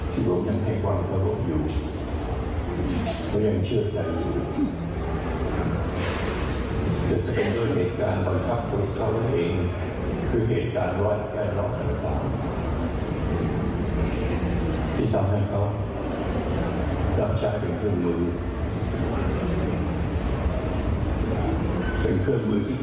ที่บอกยังแค่กว่าเขาบอกอยู่เขายังเชื่อใจอยู่